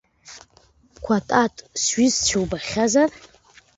Қәатат, сҩызцәа убахьазар?